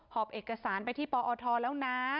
หอบเอกสารไปที่ปอทแล้วนะ